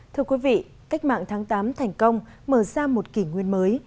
thưa quý vị cách mạng tháng tám thành công mở ra một kỷ nguyên mới